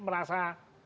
ya karena dia merasa